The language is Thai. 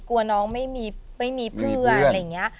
กลัวน้องไม่มีเพื่อน